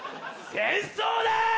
戦争だ！